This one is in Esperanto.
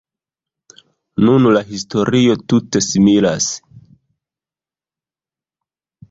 Nun la historio tute similas.